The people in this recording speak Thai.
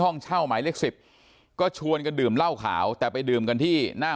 ห้องเช่าหมายเลขสิบก็ชวนกันดื่มเหล้าขาวแต่ไปดื่มกันที่หน้า